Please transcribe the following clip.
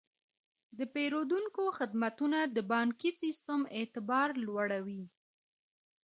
د پیرودونکو خدمتونه د بانکي سیستم اعتبار لوړوي.